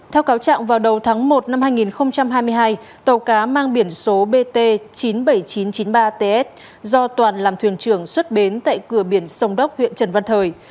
theo cáo trạng vào đầu tháng một năm hai nghìn hai mươi hai tàu cá mang biển số bt chín mươi bảy nghìn chín trăm chín mươi ba ts do toàn làm thuyền trưởng xuất bến tại cửa biển sông đốc huyện trần văn thời